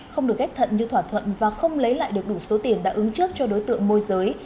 không được ghép thận như thỏa thuận và không lấy lại được đủ số tiền đã ứng trước cho đối tượng môi giới